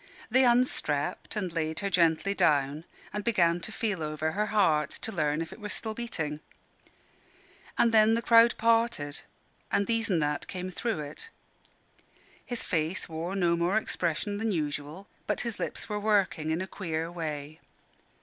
They unstrapped and laid her gently down, and began to feel over her heart, to learn if it were still beating. And then the crowd parted, and These an' That came through it. His face wore no more expression than usual, but his lips were working in a queer way.